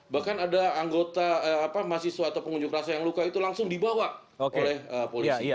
bahkan ada anggota mahasiswa atau pengunjuk rasa yang luka itu langsung dibawa oleh polisi